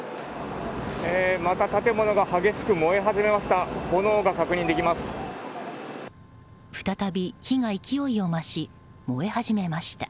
また建物が激しく燃え始めました。